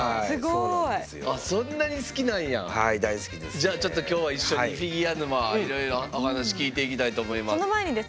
じゃあちょっと今日は一緒にフィギュア沼いろいろお話聞いていきたいと思います。